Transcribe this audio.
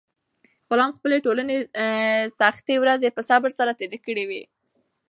غلام خپلې ټولې سختې ورځې په صبر سره تېرې کړې وې.